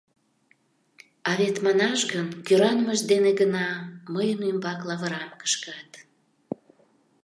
А вет, манаш гын, кӧранымышт дене гына мыйын ӱмбак лавырам кышкат.